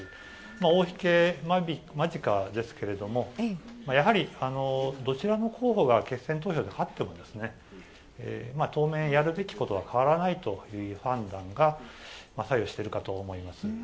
大引け間近ですけども、やはり、どちらの候補が決選投票で勝っても当面、やるべきことは変わらないという判断が左右してるかと思います。